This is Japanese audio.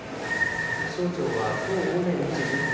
気象庁はきょう午前２時１０分